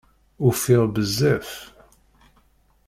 Ufiɣ bezzaf.